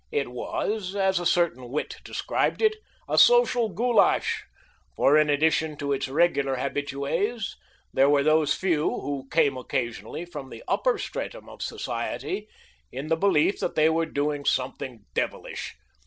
It was, as a certain wit described it, a social goulash, for in addition to its regular habitues there were those few who came occasionally from the upper stratum of society in the belief that they were doing something devilish.